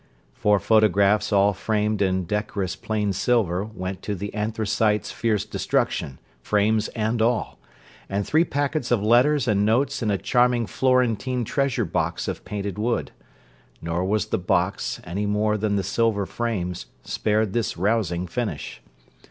Four photographs all framed in decorous plain silver went to the anthracite's fierce destruction—frames and all—and three packets of letters and notes in a charming Florentine treasure box of painted wood; nor was the box, any more than the silver frames, spared this rousing finish.